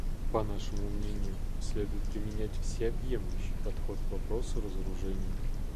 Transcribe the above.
По нашему мнению, следует применять всеобъемлющий подход к вопросу разоружения.